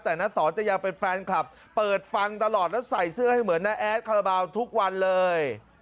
แต่น้าสอนจะยังเป็นแฟนคลับเปิดฟังตลอดแล้วใส่เสื้อให้เหมือนน้าแอดคาราบาลทุกวันเลย